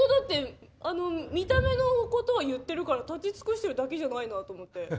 見た目のことを言ってるだけだから立ち尽くしてるだけじゃないなと思って。